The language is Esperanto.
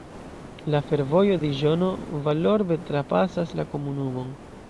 La fervojo Diĵono-Vallorbe trapasas la komunumon.